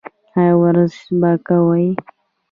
ایا ورزش به کوئ؟